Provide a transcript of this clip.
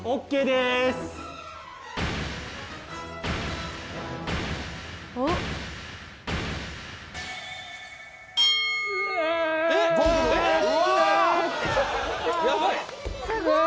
すごい！